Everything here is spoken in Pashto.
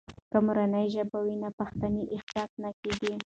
که مورنۍ ژبه وي، نو ناپښتنې احساس نه کیږي.